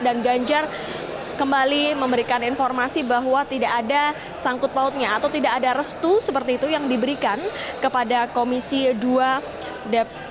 dan ganjar kembali memberikan informasi bahwa tidak ada sangkut pautnya atau tidak ada restu seperti itu yang diberikan kepada komisi dua dpr ri